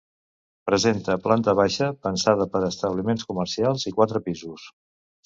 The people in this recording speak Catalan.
Presenta planta baixa, pensada per a establiments comercials, i quatre pisos.